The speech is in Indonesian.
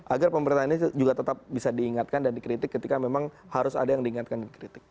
agar pemerintah ini juga tetap bisa diingatkan dan dikritik ketika memang harus ada yang diingatkan dikritik